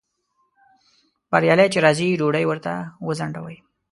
بریالی چې راځي ډوډۍ ورته وځنډوئ